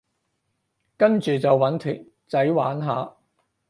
跟住就搵條仔玩下